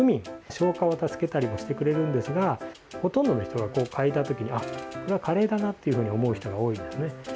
消化を助けたりもしてくれるんですがほとんどの人が嗅いだときにカレーだなというふうに思う人が多いですね。